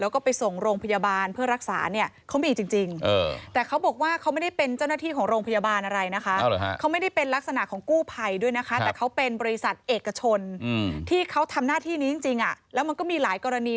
เขาไม่ได้เป็นลักษณะของกู้ภัยด้วยนะคะแต่เขาเป็นบริษัทเอกชนที่เขาทำหน้าที่นี้จริงแล้วมันก็มีหลายกรณี